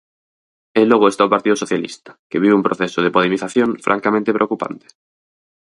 E logo está o Partido Socialista, que vive un proceso de podemización francamente preocupante.